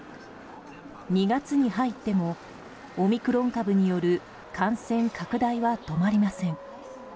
２月に入ってもオミクロン株による感染拡大は止まりません。